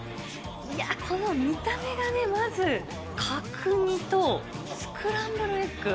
いや、この見た目がね、まず、角煮とスクランブルエッグ。